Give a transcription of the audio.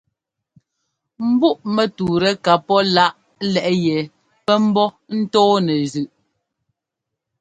Mbúꞌmɛtúutɛ ka pɔ́ láꞌ lɛ́ꞌ yɛ pɛ́ ḿbɔ́ ńtɔɔnɛ zʉꞌ.